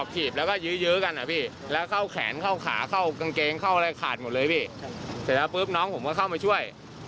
เสร็จแล้วปุ๊บน้องผมก็เข้ามาช่วย